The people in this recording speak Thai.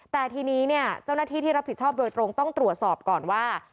แต่ทีนี้เนี่ยเจ้าหน้าที่ที่รับผิดชอบโดยตรงต้องตรวจสอบก่อนว่า